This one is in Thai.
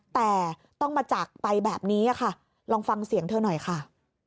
แต่ต้องมาจากไปแบบนี้ค่ะลองฟังเสียงเธอหน่อยค่ะ